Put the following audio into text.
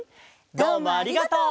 どうもありがとう！